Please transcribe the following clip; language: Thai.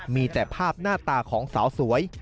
มีแต่ภาพหน้าตาของสาวสวย